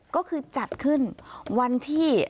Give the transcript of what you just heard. ก็คือจัดขึ้นวันที่